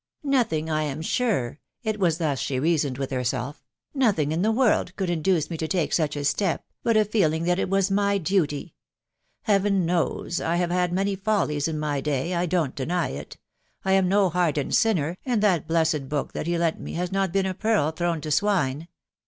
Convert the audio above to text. " Nothing, I am sure," .... it was thus she reasoned with herself, .... "nothing in the whole world could induce me to take such a step, but a feeling that it was my duty. Heaven knows I have had many follies in my day — I don't deny it ; T am no hardened sinner, and that blessed book that he lent me has not been a pearl thrown to swine.